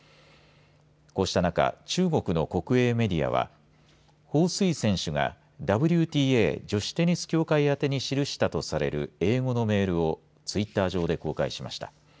こうした中中国の国営メディアは彭帥選手がＷＴＡ女子テニス協会宛に記したとされる英語のメールをツイッター上で公開しました。